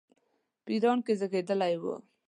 په ایران کې زېږېدلی وو.